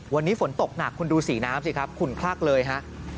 วันนี้ฝนตกหนักคุณดูสีน้ำสิครับขุนคลักเลยฮะ